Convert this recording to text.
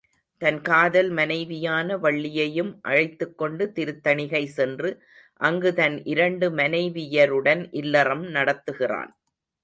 தன் காதல் மனைவியான வள்ளியையும் அழைத்துக் கொண்டு திருத்தணிகை சென்று அங்கு தன் இரண்டு மனைவியருடன் இல்லறம் நடத்துகிறான்.